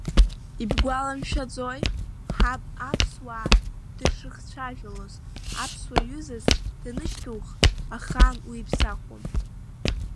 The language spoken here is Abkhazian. Ибгәаламшәаӡои, ҳаб аԥсуаа дышрыхцәажәалоз, Аԥсуа ҩызас данышьҭух, ахаан уиԥсахуам.